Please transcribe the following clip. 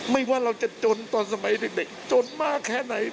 ว่าเราจะจนตอนสมัยเด็กจนมากแค่ไหน